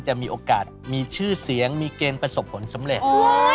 จะมีโอกาสมีชื่อเสียงมีเกณฑ์ประสบผลสำเร็จ